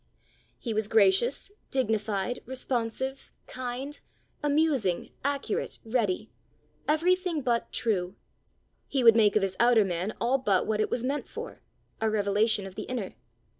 He was gracious, dignified, responsive, kind, amusing, accurate, ready everything but true. He would make of his outer man all but what it was meant for a revelation of the inner.